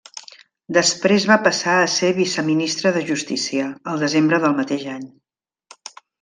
Després va passar a ser Viceministra de Justícia, al desembre del mateix any.